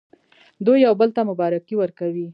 دوی یو بل ته مبارکي ورکوي.